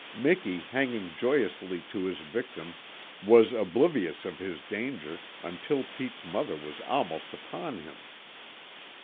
Miki, hanging joyously to his victim, was oblivious of his danger until Pete's mother was almost upon him.